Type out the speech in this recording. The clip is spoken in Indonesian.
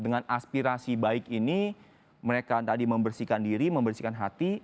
dengan aspirasi baik ini mereka tadi membersihkan diri membersihkan hati